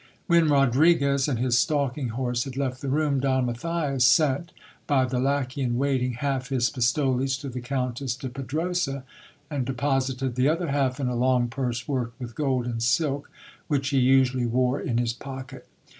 When Rodriguez and his stalking horse had left the room, Don Matthias sent, by the lacquey in waiting, half his pistoles to the Countess de Pedrosa, and deposited the other half in a long purse worked with gold and silk, which he usually wore in his pocket.